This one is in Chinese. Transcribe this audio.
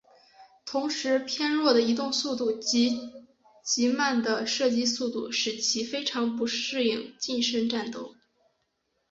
同时偏弱的移动速度及极慢的射击速度使其非常不适应近身战斗。